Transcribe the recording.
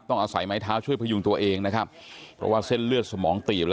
ต้องเอาไส่มัยเท้าช่วยพยุงตัวเองนะครับเพราะเซ่นเลือดสมองตีบ